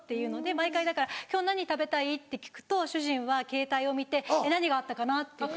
毎回だから「今日何食べたい？」って聞くと主人はケータイを見て何があったかな？っていって。